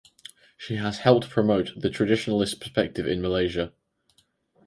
She has helped promote the traditionalist perspective in Malaysia.